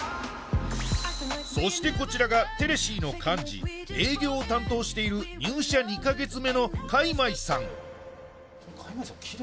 そしてこちらがテレシーの幹事営業を担当している入社２カ月目の開米さん